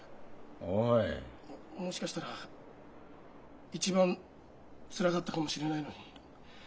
もしかしたら一番つらかったかもしれないのに。